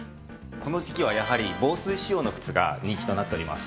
この時季はやはり防水仕様の靴が人気となっております。